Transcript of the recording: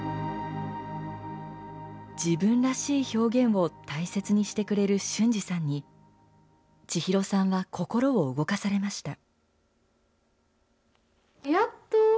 自分らしい表現を大切にしてくれるＳＨＵＮＪＩさんに、千尋さんは心を動かされました。